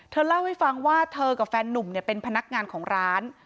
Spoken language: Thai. เล่าให้ฟังว่าเธอกับแฟนนุ่มเป็นพนักงานของร้าน